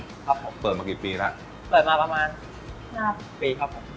ครับผมเปิดมากี่ปีแล้วเปิดมาประมาณห้าปีครับผม